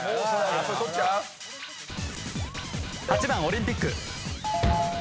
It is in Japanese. ８番オリンピック。